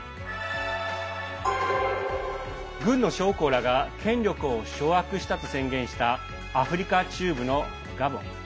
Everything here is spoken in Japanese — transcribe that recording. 軍の将校らが権力を掌握したと宣言したアフリカ中部のガボン。